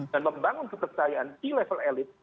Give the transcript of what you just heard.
dan membangun kepercayaan di level elit